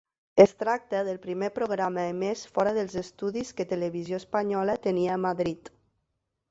Es tracta del primer programa emès fora dels estudis que Televisió Espanyola tenia a Madrid.